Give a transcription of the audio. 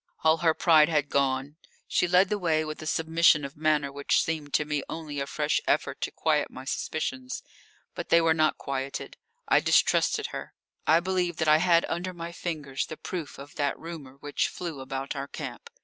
All her pride had gone; she led the way with a submission of manner which seemed to me only a fresh effort to quiet my suspicions. But they were not quieted. I distrusted her; I believed that I had under my fingers the proof of that rumour which flew about our camp.